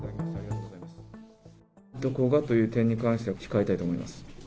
どこがという点に関しては、控えたいと思います。